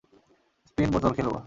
Spin বোতল খেলবো।